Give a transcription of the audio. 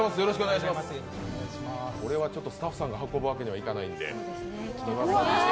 これはスタッフさんが運ぶわけにいかないんで。